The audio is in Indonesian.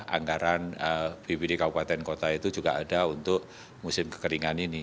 anggaran bpd kabupaten kota itu juga ada untuk musim kekeringan ini